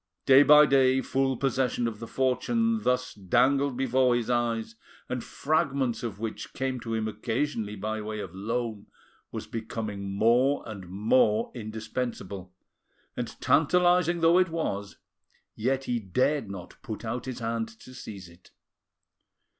Day by day full possession of the fortune thus dangled before his eyes, and fragments of which came to him occasionally by way of loan, was becoming more and more indispensable, and tantalising though it was, yet he dared not put out his hand to seize it.